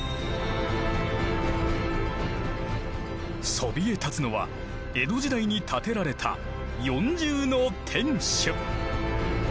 そびえ立つのは江戸時代に建てられた四重の天守。